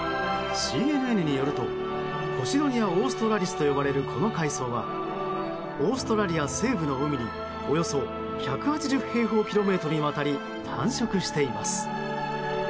ＣＮＮによるとポシドニア・オーストラリスと呼ばれるこの海草はオーストラリア西部の海におよそ１８０平方キロメートルにわたり繁殖しています。